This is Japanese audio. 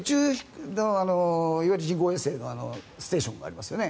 いわゆる人工衛星のステーションがありますよね。